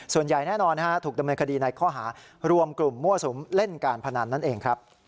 ส่วนใหญ่แน่นอนถูกดำเนินคดีในข้อหารวมกลุ่มมั่วสุมเล่นการพนันนั่นเองครับ